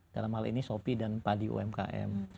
dalam hal ini shopee dan padi umkm